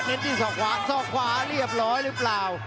ในส่อขวาในส่อขวาส่อขวาเรียบร้อยหรือเปล่า